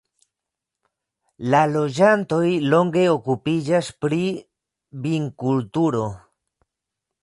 La loĝantoj longe okupiĝas pri vinkulturo.